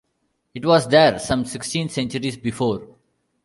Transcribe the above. It was there some sixteen centuries before.